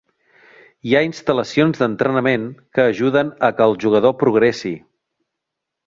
Hi ha instal·lacions d'entrenament que ajuden a que el jugador progressi.